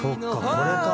これか。